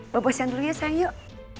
bapak siang dulu ya sayang yuk